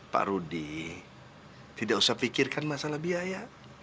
pak rudi tidak usah pikirkan masalah biaya